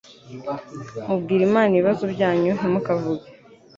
mubwira Imana ibibazo byanyu. Ntimukavuge